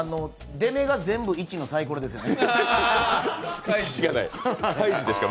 出目が全部１のさいころですよね。